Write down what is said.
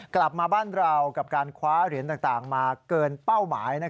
กลับมาบ้านเรากับการคว้าเหรียญต่างมาเกินเป้าหมาย